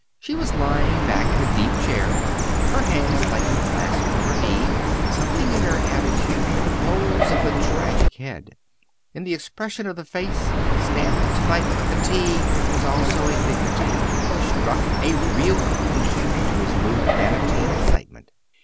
She was lying back in a deep chair, her hands lightly clasped on her knee. Something in her attitude, in the pose of the tragic head, in the expression of the face stamped to night with a fatigue which was also a dignity, struck a real compunction into his mood of vanity and excitement.